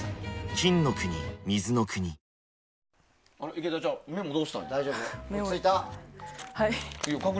池田ちゃん、メモどうしたの？